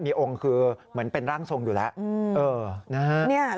มีองค์คือเหมือนเป็นร่างทรงอยู่แล้ว